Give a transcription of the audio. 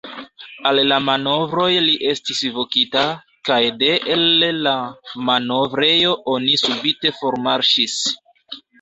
Al la manovroj li estis vokita, kaj de el la manovrejo oni subite formarŝis.